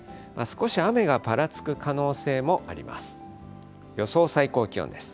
少し雨がぱらつく可能性もあります。